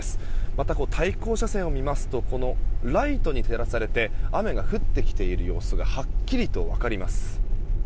また、対向車線を見ますとライトに照らされて雨が降ってきている様子がはっきりと分かります。